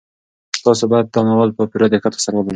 تاسو باید دا ناول په پوره دقت سره ولولئ.